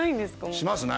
しますね。